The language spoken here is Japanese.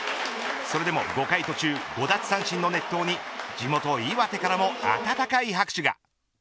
それでも５回途中５奪三振の熱投に地元、岩手からも温かい拍手が。